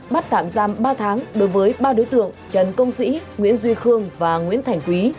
bắt tạm giam ba tháng đối với ba đối tượng trần công sĩ nguyễn duy khương và nguyễn thành quý